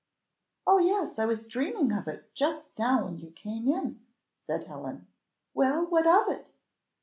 "Oh yes, I was dreaming of it just now when you came in," said Helen. "Well, what of that?"